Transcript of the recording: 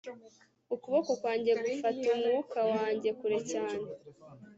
ukuboko kwanjye gufata umwuka wanjye kure cyane